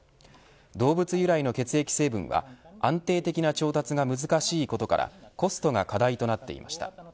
動物由来の血液成分は安定的な調達が難しいことからコストが課題となっていました。